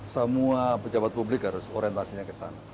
semua pejabat publik harus orientasinya ke sana